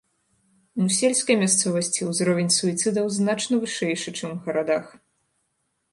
У сельскай мясцовасці ўзровень суіцыдаў значна вышэйшы, чым у гарадах.